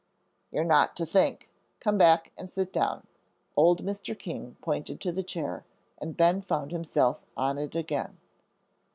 "You're not to think. Come back and sit down." Old Mr. King pointed to the chair, and Ben found himself on it again.